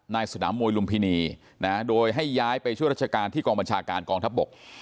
สนามมวยลุมพินีนะโดยให้ย้ายไปช่วยราชการที่กองบัญชาการกองทัพบก